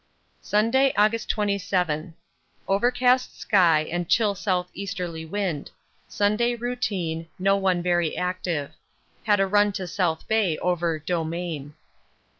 Sunday, August 27. Overcast sky and chill south easterly wind. Sunday routine, no one very active. Had a run to South Bay over 'Domain.'